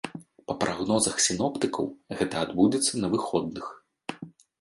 Па прагнозах сіноптыкаў, гэта адбудзецца на выходных.